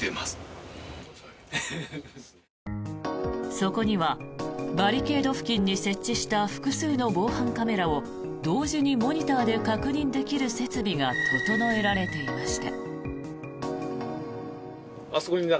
そこにはバリケード付近に設置した複数の防犯カメラを同時にモニターで確認できる設備が整えられていました。